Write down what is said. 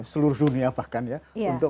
seluruh dunia bahkan ya untuk